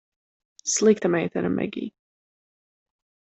Slikta meitene, Megij.